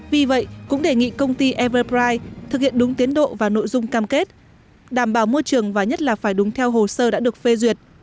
vì vậy cũng đề nghị công ty airbergy thực hiện đúng tiến độ và nội dung cam kết đảm bảo môi trường và nhất là phải đúng theo hồ sơ đã được phê duyệt